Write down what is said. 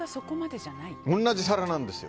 同じ皿なんですよ。